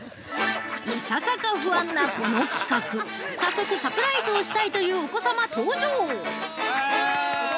◆いささか不安なこの企画早速、サプライズをしたいというお子様登場！